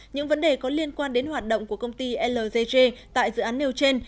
những vấn đề có liên quan đến hoạt động của công ty lgg tại dự án nêu trên